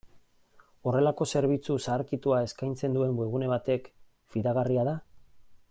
Horrelako zerbitzu zaharkitua eskaintzen duen webgune batek fidagarria da?